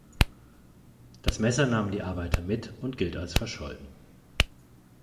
Das Messer nahmen die Arbeiter mit und gilt als verschollen.